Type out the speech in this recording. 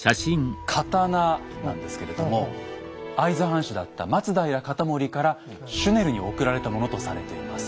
刀なんですけれども会津藩主だった松平容保からシュネルに贈られたものとされています。